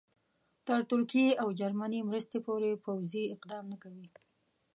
تر ترکیې او جرمني مرستې پورې پوځي اقدام نه کوي.